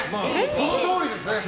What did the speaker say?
そのとおりですね。